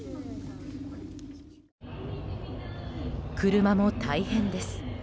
車も大変です。